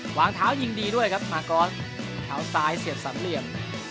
วางเท้ายิงดีด้วยครับมากอสเท้าซ้ายเสียบสามเหลี่ยม